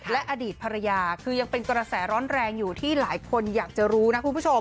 และอดีตภรรยาคือยังเป็นกระแสร้อนแรงอยู่ที่หลายคนอยากจะรู้นะคุณผู้ชม